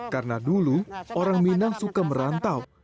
karena dulu orang minang suka merantau